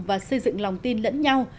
và xây dựng lòng tin lẫn nhau